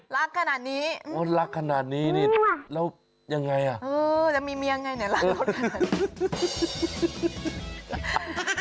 รักขนาดนี้รักขนาดนี้นี่แล้วยังไงอ่ะเออจะมีเมียไงเนี่ยรักเขาขนาดนี้